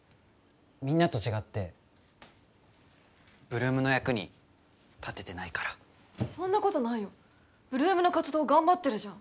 みんなと違って８ＬＯＯＭの役に立ててないからそんなことないよ８ＬＯＯＭの活動頑張ってるじゃん